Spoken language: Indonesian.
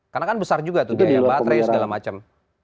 karena kan besar juga tuh daya baterai segala macam